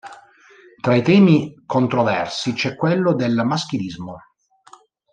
Tra i temi controversi c'è quello del maschilismo.